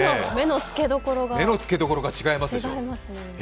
目のつけどころがちがいますでしょう？